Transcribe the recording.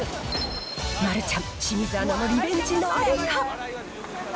丸ちゃん、清水アナのリベンジなるか。